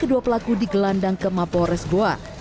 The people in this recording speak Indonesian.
kedua pelaku di gelandang ke mapo resboa